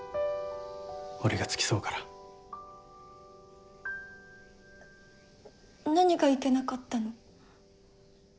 俺が付き添うからえっ何がいけなかったの？